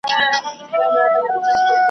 موږ به بیا هغه یاران یو د سروګلو به غونډۍ وي ,